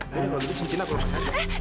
aku nggak cocok jadi tunangan kamu